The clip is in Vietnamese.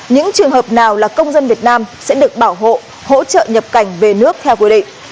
những trường hợp nào là công dân việt nam sẽ được bảo hộ hỗ trợ nhập cảnh về nước theo quy định